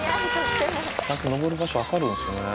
ちゃんと上る場所分かるんですね。